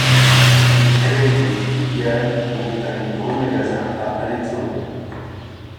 Il crée des filiales, dont un grand magasin à Alexandrie.